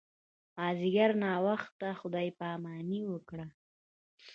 مازیګر ناوخته خدای پاماني وکړه.